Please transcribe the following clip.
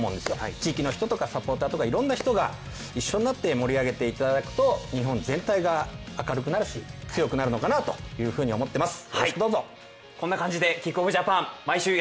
地域の人とかサポーターとか、いろんな人が一緒になって盛り上げていただくと日本全体が明るくなるし強くなるのかなと思っています。